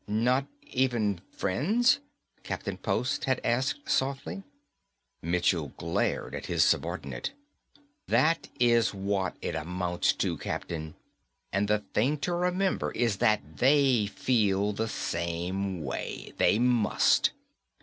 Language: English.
"Nor even friends?" Captain Post had asked softly. Michell glared at his subordinate. "That is what it amounts to, Captain; and the thing to remember is that they feel the same way. They must!